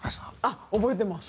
覚えてます。